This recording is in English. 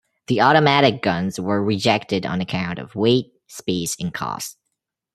The automatic guns were rejected on account of weight, space and cost.